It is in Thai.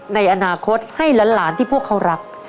ในอนาคตให้หลานที่พวกเขารัก